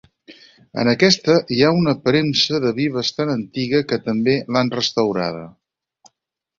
En aquesta hi ha una premsa de vi bastant antiga que també l’han restaurada.